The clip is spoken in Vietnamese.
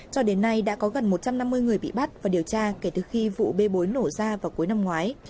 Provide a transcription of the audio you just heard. cho đến nay đã có gần một trăm năm mươi người bị bắt và điều tra kể từ khi vụ bê bối nổ ra vào cuối năm ngoái